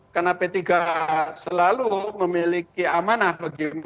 karena p tiga selalu memiliki amanah bagaimana p tiga selalu memiliki amanah bagaimana